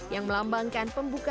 yang melambangkan pembukaan